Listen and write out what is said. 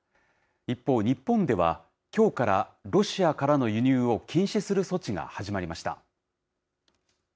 一方、日本ではきょうからロシアからの輸入を禁止する措置が始まりました。